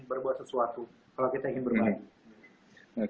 berbuat sesuatu kalau kita ingin berbagi